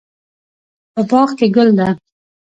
په باغ کې ګل ده